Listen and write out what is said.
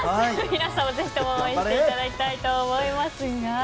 皆さんも、ぜひとも応援していただきたいと思います。